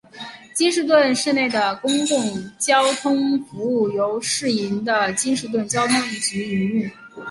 京士顿市内的公共交通服务由市营的京士顿交通局营运。